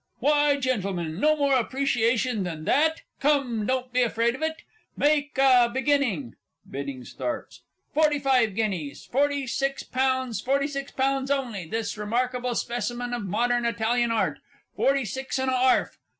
_) Why, Gentlemen, no more appreciation than that? Come, don't be afraid of it. Make a beginning. (Bidding starts.) Forty five guineas. Forty six pounds. Forty six pounds only, this remarkable specimen of modern Italian Art. Forty six and a 'arf.